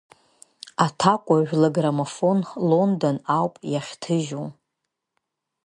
Аҭакәажә лграммофон Лондон ауп иахьҭыжьу.